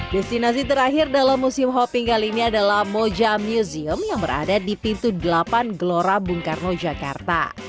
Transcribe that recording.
destinasi terakhir dalam museum hopping kali ini adalah moja museum yang berada di pintu delapan gelora bung karno jakarta